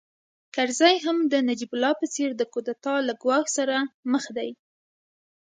کرزی هم د نجیب الله په څېر د کودتا له ګواښ سره مخ دی